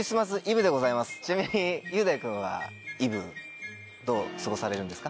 ちなみに雄大君はイブどう過ごされるんですか？